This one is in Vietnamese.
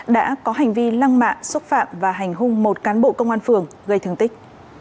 đã có hành vi lăng mạ xúc phạm và hành hung một cán bộ công an phường gây thương tích